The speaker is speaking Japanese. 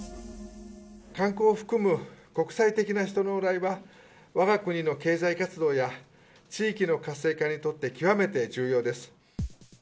観光を含む国際的な人の往来は、わが国の経済活動や地域の活性化にとって極めて重要です。